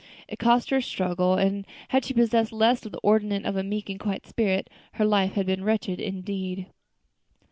It often cost her a struggle, and had she possessed less of the ornament of a meek and quiet spirit, her life had been wretched indeed.